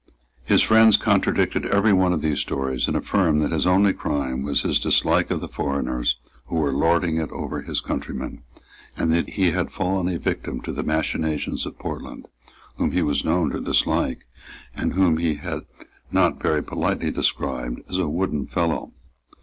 His friends contradicted every one of these stories, and affirmed that his only crime was his dislike of the foreigners who were lording it over his countrymen, and that he had fallen a victim to the machinations of Portland, whom he was known to dislike, and whom he had not very politely described as a wooden fellow.